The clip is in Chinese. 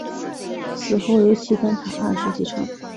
死后由齐丹塔二世继承。